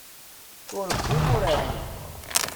Ur wwin ur rrin.